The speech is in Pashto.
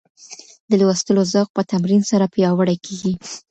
د لوستلو ذوق په تمرین سره پیاوړی کیږي.